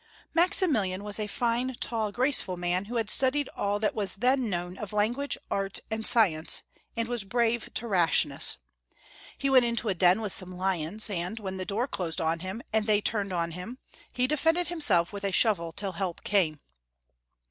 Maximilian was a fine tall graceful man, who had studied all that was then known of language, art, and science, and was brave to rashness. He went into a den with some lions, and when the door closed on him, and they turned on him, he defended himself with a shovel till help came.